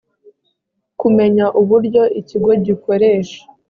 kumenya uburyo ikigo gikoresha